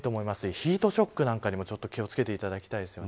ヒートショックなんかにも気を付けていただきたいですね。